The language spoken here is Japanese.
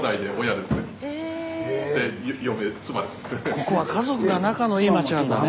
ここは家族が仲のいい町なんだね。